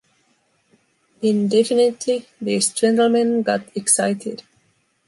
Indefinitely, these gentlemen got excited.